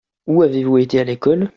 Où avez-vous été à l'école ?